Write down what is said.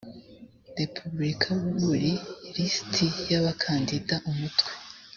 repubulika buri lisiti y abakandida umutwe